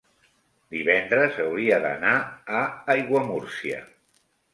divendres hauria d'anar a Aiguamúrcia.